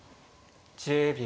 １０秒。